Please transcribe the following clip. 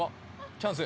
チャンス！